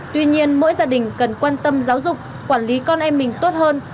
tuy nhiên mỗi gia đình cần quan tâm giáo dục quản lý con em mình tốt hơn